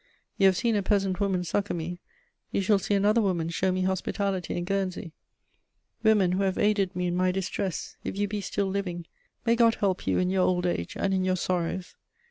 You have seen a peasant woman succour me; you shall see another woman show me hospitality in Guernsey. Women who have aided me in my distress, if you be still living, may God help you in your old age and in your sorrows!